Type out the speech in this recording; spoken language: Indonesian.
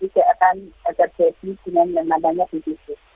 biasanya akan terjadi dengan yang namanya ibu ibu